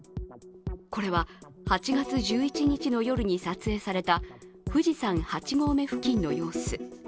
これは、８月１１日の夜に撮影された富士山８合目付近の様子。